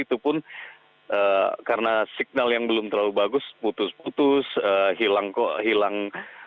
itu pun karena signal yang belum terlalu bagus putus putus hilang kok hilang